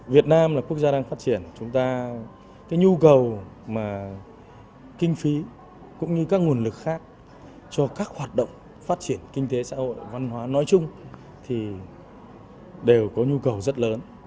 việt nam là quốc gia đang phát triển chúng ta cái nhu cầu mà kinh phí cũng như các nguồn lực khác cho các hoạt động phát triển kinh tế xã hội văn hóa nói chung thì đều có nhu cầu rất lớn